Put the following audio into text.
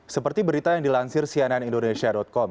seperti berita yang dilansir cnn indonesia com